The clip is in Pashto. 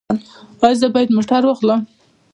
ایا زه باید موټر واخلم؟